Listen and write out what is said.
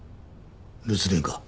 留守電か？